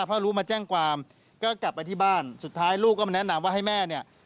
พอรู้มาแจ้งความก็กลับไปที่บ้านสุดท้ายลูกก็มาแนะนำว่าให้แม่เนี่ย